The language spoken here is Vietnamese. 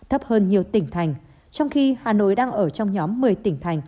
thấp hơn nhiều tỉnh thành trong khi hà nội đang ở trong nhóm một mươi tỉnh thành